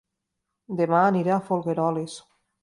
Dema aniré a Folgueroles